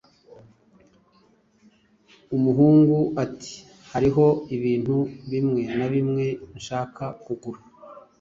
Umuhungu ati: "Hariho ibintu bimwe na bimwe nshaka kugura."